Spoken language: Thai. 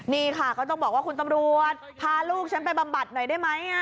นี่ค่ะก็ต้องบอกว่าคุณตำรวจพาลูกฉันไปบำบัดหน่อยได้ไหม